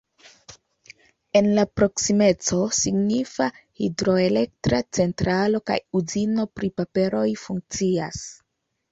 En la proksimeco signifa hidroelektra centralo kaj uzino pri paperoj funkcias.